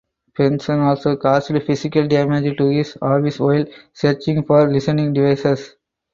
Benson also caused physical damage to his office while searching for listening devices.